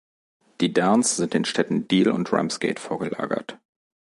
Die Downs sind den Städten Deal und Ramsgate vorgelagert.